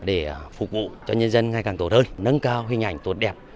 để phục vụ cho nhân dân ngày càng tốt hơn nâng cao hình ảnh tốt đẹp